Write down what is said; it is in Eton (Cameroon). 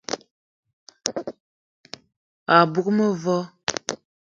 A bug mevo